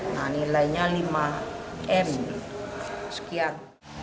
nah nilainya lima m sekian